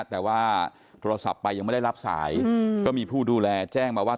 แต่ว่าโทรศัพท์ไปยังไม่ได้รับสายก็มีผู้ดูแลแจ้งมาว่า